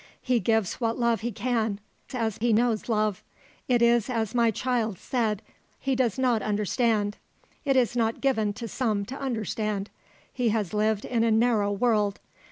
He gives what love he can; as he knows love. It is as my child said; he does not understand. It is not given to some to understand. He has lived in a narrow world.